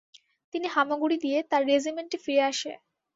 তিনি হামাগুড়ি দিয়ে তার রেজিমেন্টে ফিরে আসে।